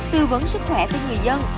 tư vấn sức khỏe cho người dân